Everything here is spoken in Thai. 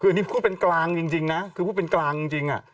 คืออันนี้พูดเป็นกลางจริงนะคือพูดเป็นกลางจริง